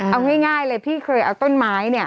เอาง่ายเลยพี่เคยเอาต้นไม้เนี่ย